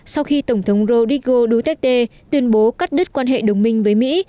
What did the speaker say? sau khi tổng thống rodrigo duterte tuyên bố cắt đứt quan hệ đồng minh với mỹ